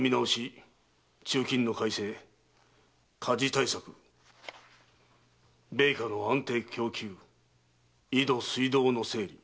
鋳金の改正火事対策米価の安定供給井戸水道の整備